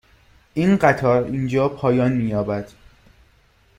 این قطار اینجا پایان می یابد.